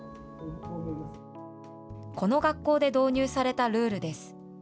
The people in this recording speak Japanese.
この学校で導入されたルールです。